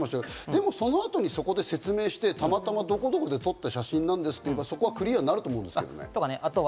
でも、そのあとにそこで説明してた、またまどこどこで撮った写真なんですって言えばクリアになると思うんですけど。